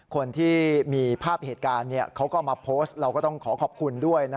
คนที่มีภาพเหตุการณ์เขาก็เอามาโพสต์เราก็ต้องขอขอบคุณด้วย